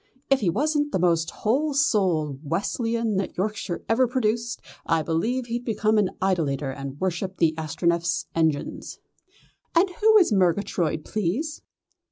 If he wasn't the most whole souled Wesleyan that Yorkshire ever produced, I believe he'd become an idolater and worship the Astronef's engines." "And who is Murgatroyd, please?"